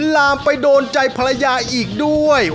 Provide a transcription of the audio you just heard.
ลามไปโดนใจภรรยาอีกด้วย